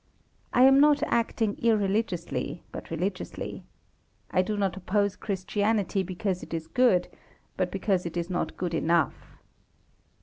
I am not acting irreligiously, but religiously. I do not oppose Christianity because it is good, but because it is not good enough.